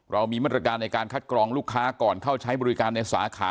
เรามีมาตรการในการคัดกรองลูกค้าก่อนเข้าใช้บริการในสาขา